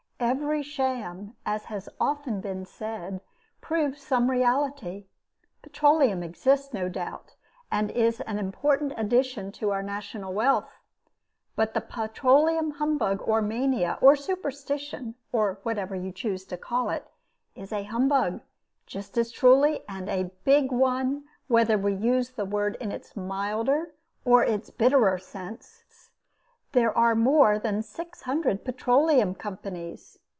Every sham, as has often been said, proves some reality. Petroleum exists, no doubt, and is an important addition to our national wealth. But the Petroleum humbug or mania or superstition, or whatever you choose to call it, is a humbug, just as truly, and a big one, whether we use the word in its milder or its bitterer sense. There are more than six hundred petroleum companies.